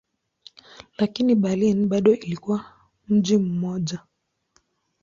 Lakini Berlin bado ilikuwa mji mmoja.